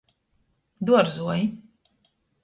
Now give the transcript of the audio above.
Duorzuoji.